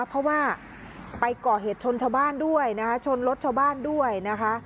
เพราะว่าไปก่อเหตุชนชาวบ้านด้วยนะคะชนรถชาวบ้านด้วยนะคะ